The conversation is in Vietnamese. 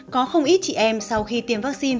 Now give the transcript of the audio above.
có không ít chị em sau khi tiêm vaccine